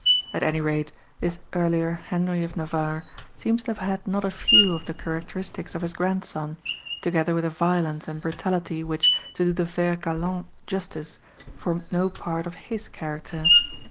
At any rate, this earlier Henry of Navarre seems to have had not a few of the characteristics of his grandson, together with a violence and brutality which, to do the Vert Galant justice, formed no part of his character.